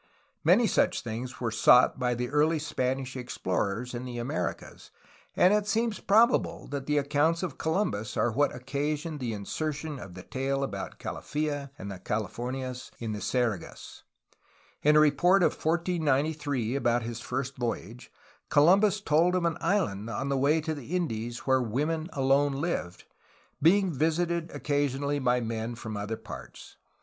Many such things were sought by the early Spanish explorers in the Americas, and it seems probable that the accounts of Columbus are what occasioned the insertion of the tale about Calafia and the Californias in the Sergas. In a report of 1493 about his first voyage Columbus told of an island on the way to the ORIGIN AND APPLICATION OF THE NAME CALIFORNIA 61 Indies where women alone lived, being visited occasionally by men from other parts.